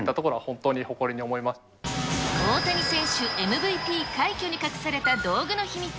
ＭＶＰ快挙に隠された道具の秘密。